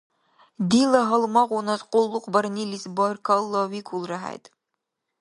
Дила гьалмагъунас къуллукъбарнилис баркаллавикӀулра хӀед.